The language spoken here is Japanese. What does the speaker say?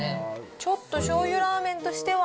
ちょっとしょうゆラーメンとしては。